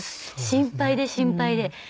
心配で心配で。